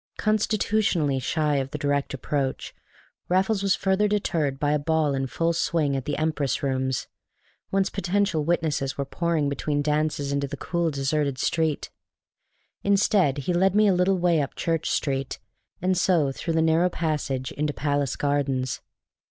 Constitutionally shy of the direct approach, Raffles was further deterred by a ball in full swing at the Empress Rooms, whence potential witnesses were pouring between dances into the cool deserted street. Instead he led me a little way up Church Street, and so through the narrow passage into Palace Gardens.